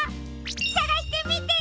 さがしてみてね！